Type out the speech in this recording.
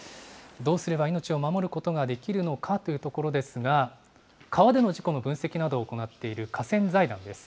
どうすれば命を守ることができるのかというところですが、川での事故の分析などを行っている河川財団です。